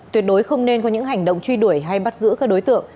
tuyệt đối không nên có những hành động truy đuổi hay bắt giữ các đối tượng